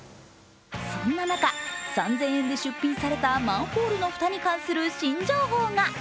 そんな中、３０００円で出品されたマンホールの蓋に関する情報が。